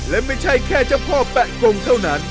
และไม่ใช่แค่เจ้าพ่อแปะกงเท่านั้น